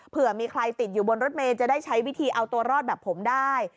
เผื่อมีใครติดอยู่บนรถเมย์จะได้ใช้วิธีเอาตัวรอดแบบผมได้